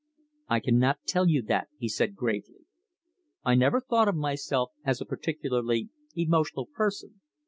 "I cannot tell you that," he said gravely. "I never thought of myself as a particularly emotional person.